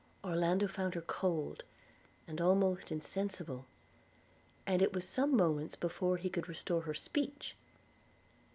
Orlando found her cold, and almost insensible; and it was some moments before he could restore her speech.